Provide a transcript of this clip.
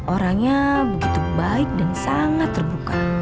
orangnya begitu baik dan sangat terbuka